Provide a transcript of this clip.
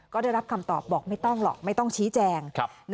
ก็ได้รับคำตอบบอกไม่ต้องหรอกไม่ต้องชี้แจง